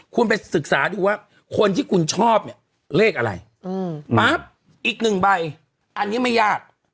คุณไปศึกษาดูว่าคนที่คุณชอบเนี่ยเลขอะไรปั๊บอีกหนึ่งใบอันนี้ไม่ยาก